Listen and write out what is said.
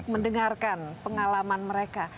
untuk mendengarkan pengalaman mereka